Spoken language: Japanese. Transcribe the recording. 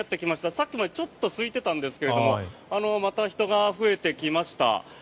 さっきまでちょっとすいていたんですがまた人が増えてきました。